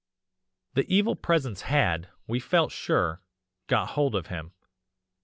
"The Evil Presence had, we felt sure, got hold of him.